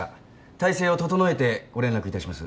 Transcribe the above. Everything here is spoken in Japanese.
体制を整えてご連絡いたします。